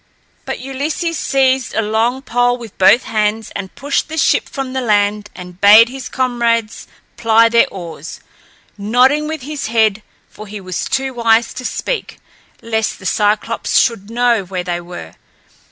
But Ulysses seized a long pole with both hands and pushed the ship from the land and bade his comrades ply their oars, nodding with his head, for he was too wise to speak, lest the Cyclops should know where they were.